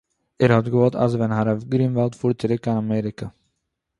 ער האט געוואלט אז ווען הרב גרינוואלד פארט צוריק קיין אמעריקע